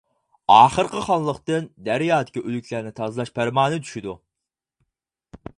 ئاخىرى خانلىقتىن دەريادىكى ئۆلۈكلەرنى تازىلاش پەرمانى چۈشىدۇ.